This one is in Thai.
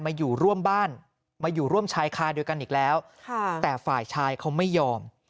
อยู่ร่วมบ้านมาอยู่ร่วมชายคาด้วยกันอีกแล้วแต่ฝ่ายชายเขาไม่ยอม